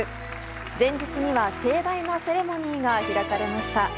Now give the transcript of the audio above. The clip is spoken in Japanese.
前日には盛大なセレモニーが開かれました。